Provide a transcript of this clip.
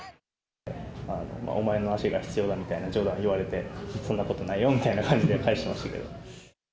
お前の足が必要だみたいな冗談を言われて、そんなことないよみたいな感じで返してましたけど。